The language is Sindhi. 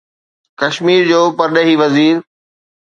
ڪشمير جو پرڏيهي وزير